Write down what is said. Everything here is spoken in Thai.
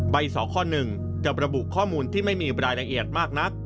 สค๑จะระบุข้อมูลที่ไม่มีรายละเอียดมากนัก